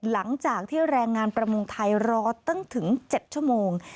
หลังจากที่แรงงานประมงไทยรอตั้งถึง๗ชั่วโมง